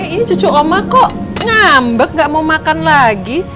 ini cucu oma kok ngambek gak mau makan lagi